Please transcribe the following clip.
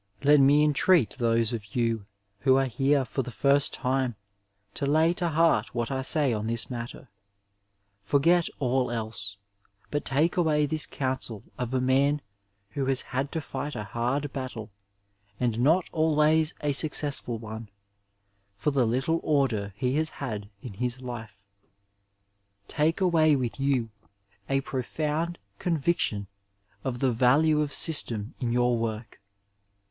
Let me entreat those of you who are here for the first time to lay to heart what I say on this matter. Forget all else» but take away this counsel of a man who has had to fight a hard batde, and not always a successful one, for the little order he has had in his life ; take away with you a profound convieiion of the value of system in your work.